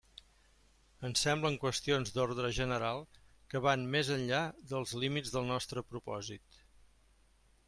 Ens semblen qüestions d'ordre general que van més enllà dels límits del nostre propòsit.